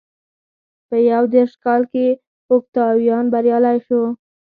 په یو دېرش کال کې اوکتاویان بریالی شو.